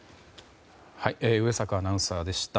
上坂アナウンサーでした。